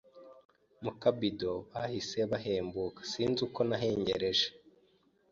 mu kabido bahise bahembuka sinzi uko nahengereje